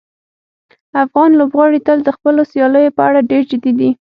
افغان لوبغاړي تل د خپلو سیالیو په اړه ډېر جدي دي.